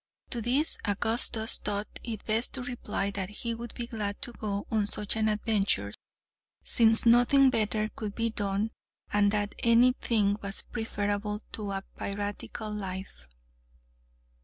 To this Augustus thought it best to reply that he would be glad to go on such an adventure, since nothing better could be done, and that any thing was preferable to a piratical life.